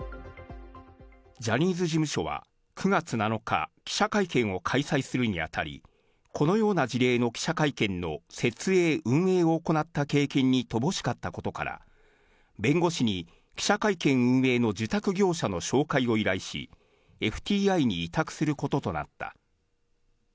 ジャニーズ事務所は９月７日、記者会見を開催するにあたり、このような事例の記者会見の設営、運営を行った経験に乏しかったことから、弁護士に記者会見運営の受託業者の紹介を依頼し、ＦＴＩに委託することとなった。